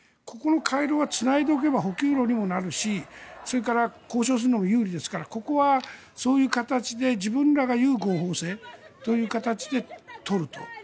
ここの回廊はつないでおけば補給路にもなるしそれから交渉するのも有利ですからここはそういう形で自分らがいう合法性という形で取ると。